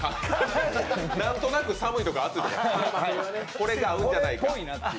何となく寒いとか暑いとか、これが合うんじゃないかと。